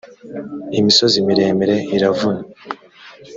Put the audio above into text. imisozi miremire iravuna.